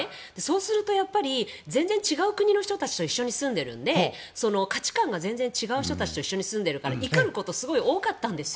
そうすると全然違う国の人たちと一緒に住んでいるので価値観が全然違う人たちと住んでいるから怒ることすごい多かったんです。